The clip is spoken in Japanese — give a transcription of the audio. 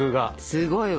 すごいわ。